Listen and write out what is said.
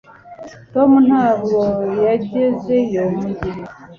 tom ntabwo yagezeyo mugihe